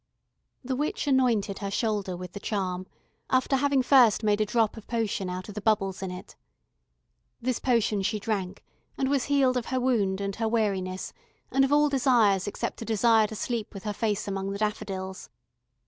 The witch anointed her shoulder with the charm, after having first made a drop of potion out of the bubbles in it. This potion she drank, and was healed of her wound and her weariness, and of all desires except a desire to sleep with her face among the daffodils.